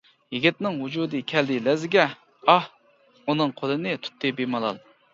يىگىتنىڭ ۋۇجۇدى كەلدى لەرزىگە، ئاھ، ئۇنىڭ قولىنى تۇتتى بىمالال.